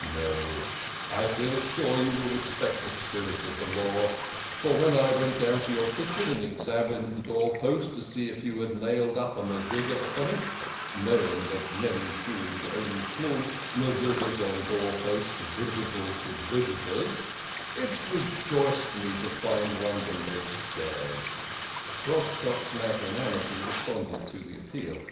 No, I feel sure you will respect the spirit of the law, for when I went down into your kitchen and examined the door post to see if you had nailed up a mezuzah upon it, knowing that many Jews only flaunt mezu zahs on door posts visible to visitors, it rejoiced me to find one below stairs." Grobstock's magnanimity responded to the appeal.